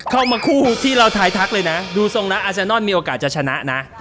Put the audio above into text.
คู่ที่เราทายทักเลยนะดูทรงนะอาเซนนอนมีโอกาสจะชนะนะ